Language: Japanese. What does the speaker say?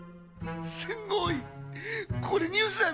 すごい！これニュースだよ